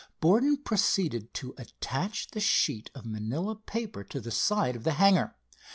Borden proceeded to attach the sheet of manilla paper to the side of the hanger.